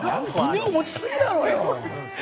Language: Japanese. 異名を持ちすぎだろうよ！